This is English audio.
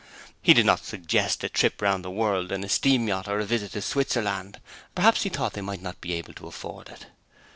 He did not suggest a trip round the world in a steam yacht or a visit to Switzerland perhaps he thought they might not be able to afford it.